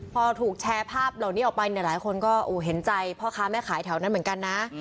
พอถูกแชร์ภาพเหล่านี้ออกไปเนี่ยหลายคนก็เห็นใจพ่อค้าแม่ขายแถวนั้นเหมือนกันนะ